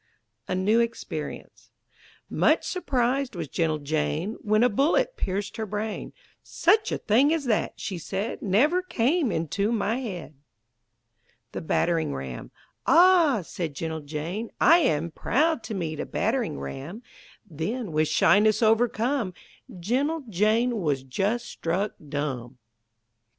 A NEW EXPERIENCE Much surprised was gentle Jane When a bullet pierced her brain; "Such a thing as that," she said, "Never came into my head!" THE BATTERING RAM "Ah!" said gentle Jane, "I am Proud to meet a battering ram." Then, with shyness overcome, Gentle Jane was just struck dumb.